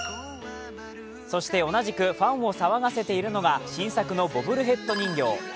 そして同じく、ファンを騒がせているのが新作のボブルヘッド人形。